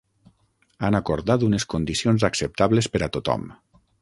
Han acordat unes condicions acceptables per a tothom.